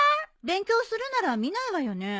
勉強するなら見ないわよね？